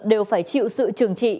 đều phải chịu sự trường trị